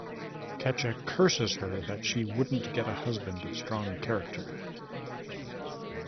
Kacha curses her that she wouldn't get a husband of strong character.